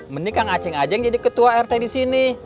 mending kang aceh aja yang jadi ketua rt disini